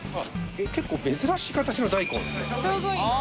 結構珍しい形の大根ですね。